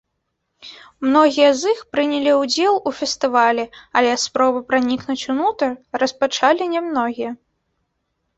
Многія з іх прынялі ўдзел у фестывалі, але спробы пранікнуць унутр распачалі нямногія.